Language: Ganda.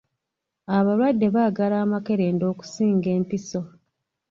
Abalwadde baagala amakerenda okusinga empiso.